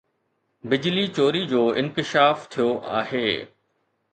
بجلي چوري جو انڪشاف ٿيو آهي